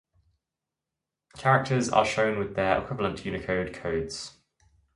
Characters are shown with their equivalent Unicode codes.